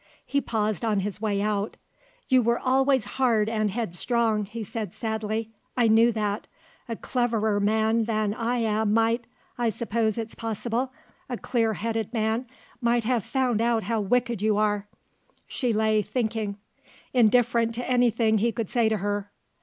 He paused on his way out. "You were always hard and headstrong," he said sadly; "I knew that. A cleverer man than I am might I suppose it's possible a clear headed man might have found out how wicked you are." She lay, thinking; indifferent to anything he could say to her.